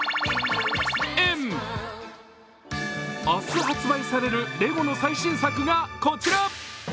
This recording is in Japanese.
明日発売されるレゴの最新作がこちら。